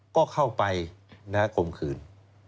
ก็เข้าไปนะครับกลมคืน